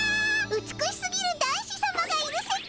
美しすぎる男子さまがいる世界！